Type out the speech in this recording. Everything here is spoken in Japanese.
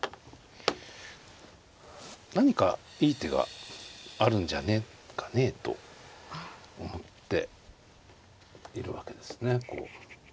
何かいい手があるんじゃねえかねえと思っているわけですね。